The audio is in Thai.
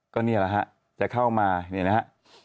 ก็นี่แหละฮะจะเข้ามานี่เห็นมั้ยฮะ